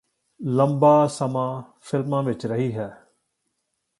ਲੰਬਾ ਸਮਾਂ ਫ਼ਿਲਮਾਂ ਵਿਚ ਰਹੀ ਹੈ